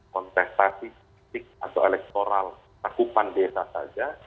konteks statistik atau elektoral takupan desa saja